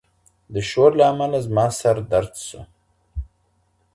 د شور له امله زما سر درد شو.